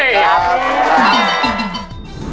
ครับ